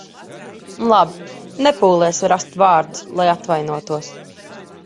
Labi, nepūlies rast vārdus, lai atvainotos.